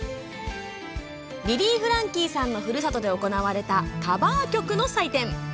リリー・フランキーさんのふるさとで行われたカバー曲の祭典。